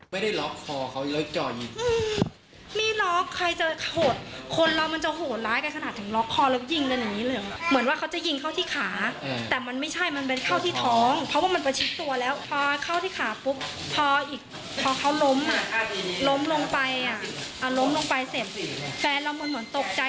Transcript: พออีกพอเขาล้มล้มลงไปอ่ะอ่าล้มลงไปเสร็จแฟนเรามันเหมือนตกใจ